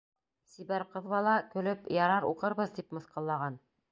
Сибәр ҡыҙ бала, көлөп, ярар, уҡырбыҙ, тип мыҫҡыллаған.